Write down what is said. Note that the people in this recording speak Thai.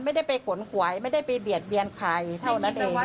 ไม่ได้ไปขนหวยไม่ได้ไปเบียดเบียนใครเท่านั้นเอง